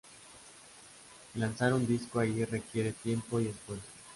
Lanzar un disco ahí requiere tiempo y esfuerzo.